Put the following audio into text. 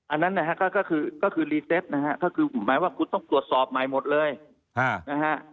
อันนั้นนะฮะก็คือรีเซตนะฮะก็คือหมายว่าคุณต้องตรวจสอบใหม่หมดเลยนะฮะ